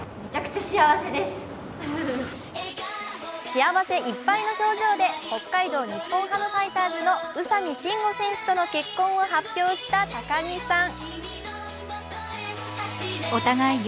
幸せいっぱいの表情で北海道日本ハムファイターズの宇佐見真吾選手との結婚を発表した高城さん。